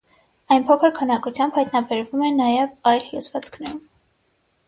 Այն փոքր քանակությամբ հայտնաբերվում է նաև այլ հյուսվածքներում։